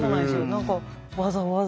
何かわざわざ。